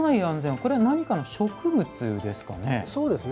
これは何かの植物ですかね。